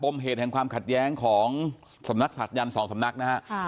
ปมเหตุแห่งความขัดแย้งของสำนักศักดิ์ยันทร์๒สำนักฯนะครับ